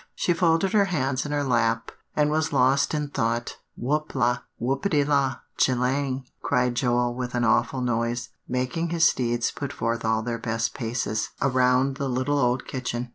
She folded her hands in her lap and was lost in thought. "Whoop la! Whoopity la! G'lang!" cried Joel with an awful noise, making his steeds put forth all their best paces, around the little old kitchen.